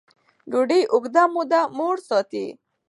ډوډۍ اوږده موده موړ ساتي.